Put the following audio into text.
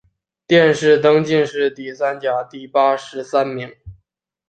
殿试登进士第三甲第八十三名。